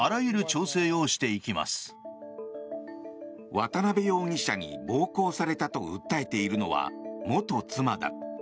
渡邉容疑者に暴行されたと訴えているのは元妻だ。